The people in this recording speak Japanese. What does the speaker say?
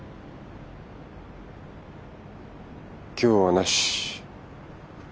今日はなし。